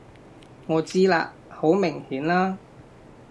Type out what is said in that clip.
我知啦！好明顯啦！